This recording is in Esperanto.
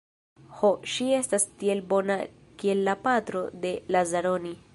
Ho, ŝi estas tiel bona kiel la patro de Lazaroni.